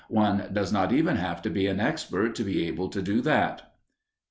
One does not even have to be an expert to be able to do that!